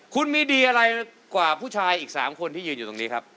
คุณมีดีอะไรกว่าผู้ชายอีก๓คนที่ยืนอยู่ตรงนี้ครับ